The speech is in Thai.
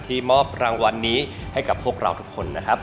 มอบรางวัลนี้ให้กับพวกเราทุกคนนะครับ